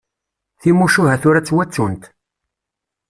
Timucuha tura ttwattunt.